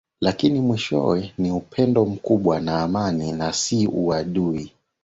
Lakini mwishowe ni upendo mkubwa na amani na si uadui